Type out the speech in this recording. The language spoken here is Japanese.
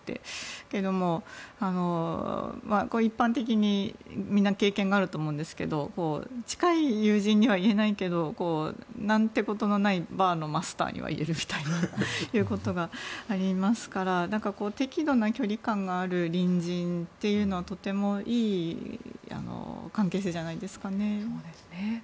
だけど、一般的にみんな経験があると思いますが近い友人には言えないけど何てことのないバーのマスターには言えるみたいなことがありますからだから、適度な距離感がある隣人というのはとてもいい関係性じゃないですかね。